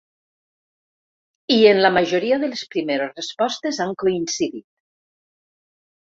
I en la majoria de les primeres respostes han coincidit.